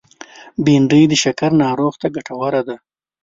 بېنډۍ د شکر ناروغو ته ګټوره ده